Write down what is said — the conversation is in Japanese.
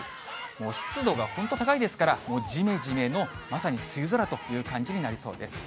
もう湿度が本当高いですから、じめじめのまさに梅雨空という感じになりそうです。